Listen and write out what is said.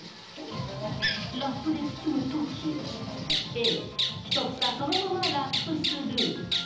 ラップで包むとき、Ａ・一房そのままラップする。